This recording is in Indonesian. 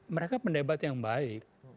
mereka pendebat yang baik